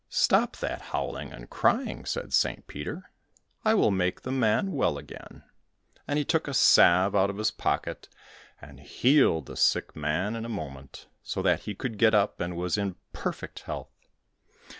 "Stop that howling and crying," said St. Peter, "I will make the man well again," and he took a salve out of his pocket, and healed the sick man in a moment, so that he could get up, and was in perfect health.